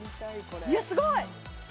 いやすごい！